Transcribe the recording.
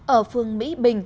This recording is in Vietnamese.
ở phương mỹ bình